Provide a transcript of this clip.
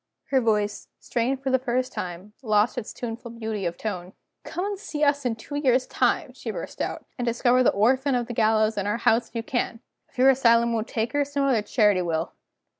Her voice, strained for the first time, lost its tuneful beauty of tone. "Come and see us in two years' time," she burst out "and discover the orphan of the gallows in our house if you can! If your Asylum won't take her, some other Charity will.